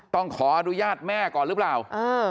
ต้องขออนุญาตแม่ก่อนหรือเปล่า